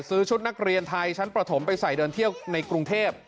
ชุดนักเรียนไทยชั้นประถมไปใส่เดินเที่ยวในกรุงเทพ